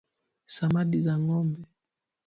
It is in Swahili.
samadi za ngombe